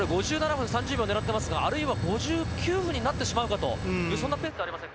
５７分３０秒狙ってますがあるいは５９分になってしまうかと。